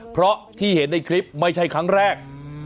เพราะที่เห็นในคลิปไม่ใช่ครั้งแรก